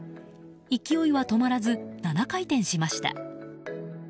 勢いは止まらず７回転しました。